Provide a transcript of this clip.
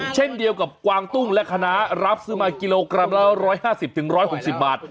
เช่นเดียวกับกวางตุ้งและคณะรับซื้อมากิโลกรัมละ๑๕๐๑๖๐บาท